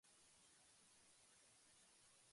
私の犬はダックスフンドである。